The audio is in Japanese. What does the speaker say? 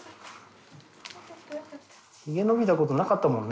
ひげ伸びたことなかったもんね。